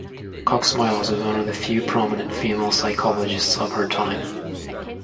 Cox-Miles was one of the few prominent female psychologists of her time.